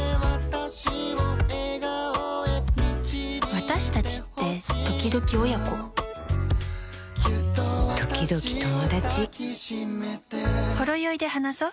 私達ってときどき親子ときどき友達「ほろよい」で話そ。